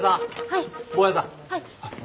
はい。